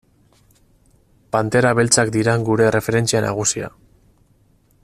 Pantera Beltzak dira gure erreferentzia nagusia.